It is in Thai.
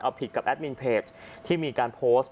เอาผิดกับแอดมินเพจที่มีการโพสต์